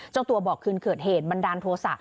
เจ้าตัวบอกคืนเกิดเหตุบันดาลโทษะ